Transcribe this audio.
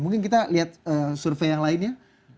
mungkin kita lihat survei yang lainnya